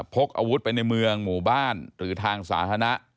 พกอาวุธไปในเมืองหมู่บ้านหรือทางสาธารณะ